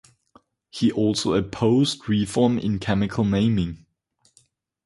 He also opposed reform in chemical naming.